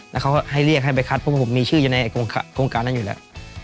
แล้วเขาก็ให้เรียกให้ไปคัดเพราะว่าผมมีชื่ออยู่ในโครงการนั้นอยู่แล้ว